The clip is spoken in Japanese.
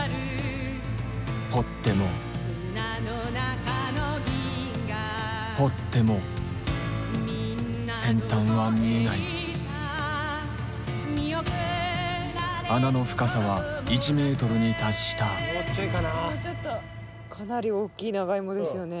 掘っても掘っても先端は見えない穴の深さは１ｍに達したかなり大きいナガイモですよね。